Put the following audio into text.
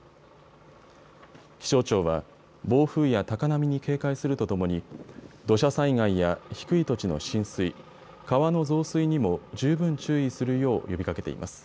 気象庁は暴風や高波に警戒するとともに土砂災害や低い土地の浸水、川の増水にも十分注意するよう呼びかけています。